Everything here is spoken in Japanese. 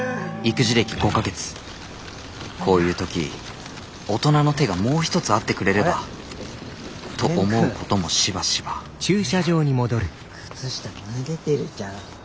こういう時大人の手がもう一つあってくれればと思うこともしばしば靴下脱げてるじゃん。